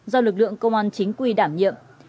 do lực lượng công an chính quy đảm nhiệm